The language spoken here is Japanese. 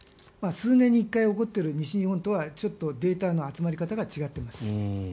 数年に１回起こっている西日本とはちょっとデータの集まり方が違っています。